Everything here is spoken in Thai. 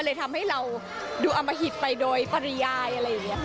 เลยทำให้เราดูอมหิตไปโดยปริยายอะไรอย่างนี้ค่ะ